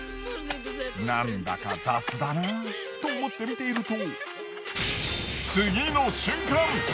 なんだか雑だなぁと思って見ていると。